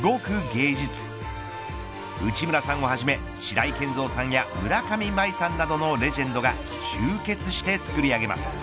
芸術内村さんをはじめ白井健三さんや村上茉愛さんなどのレジェンドが集結して作り上げます。